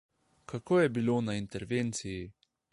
Kako je bilo na intervenciji?